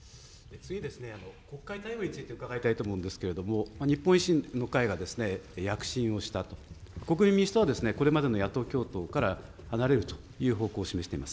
次、国会対応について伺いたいと思うんですけれども、日本維新の会が躍進をしたと、国民民主党はこれまでの野党共闘から離れるという方向を示しています。